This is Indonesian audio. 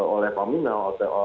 oleh pemina oto